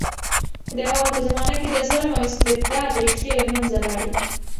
د هغوی په زمانه کې د ظلم او استبداد ریښې له منځه لاړې.